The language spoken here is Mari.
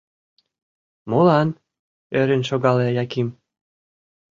— Молан? — ӧрын шогале Яким.